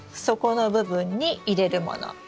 底の部分に入れるもの